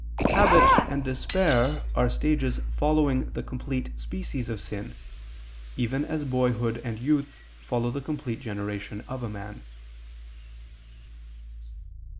Habit and despair are stages following the complete species of sin, even as boyhood and youth follow the complete generation of a man.